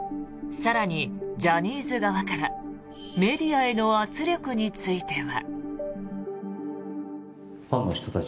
更に、ジャニーズ側からメディアへの圧力については。